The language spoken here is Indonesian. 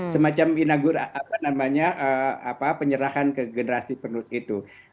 semacam inagur apa namanya apa penyerahan ke generasi penuh itu